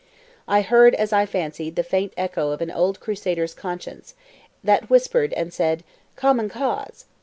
I heard, as I fancied, the faint echo of an old crusader's conscience, that whispered and said, "Common cause!"